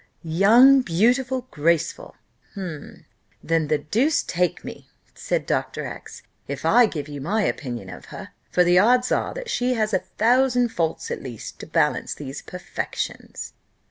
"Young, beautiful, graceful; then the deuce take me," said Dr. X , "if I give you my opinion of her: for the odds are, that she has a thousand faults, at least, to balance these perfections."